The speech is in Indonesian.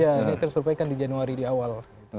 ya ini akan surveikan di januari di awal